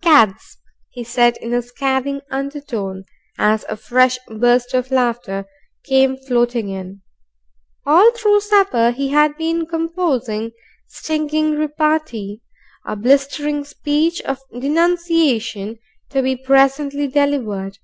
"Cads!" he said in a scathing undertone, as a fresh burst of laughter came floating in. All through supper he had been composing stinging repartee, a blistering speech of denunciation to be presently delivered.